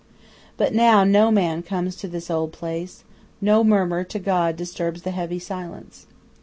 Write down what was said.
But now no man comes to this old place, no murmur to God disturbs the heavy silence.